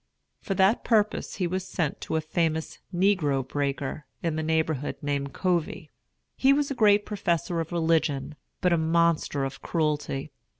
For that purpose he was sent to a famous "negro breaker" in the neighborhood named Covey. He was a great professor of religion, but a monster of cruelty.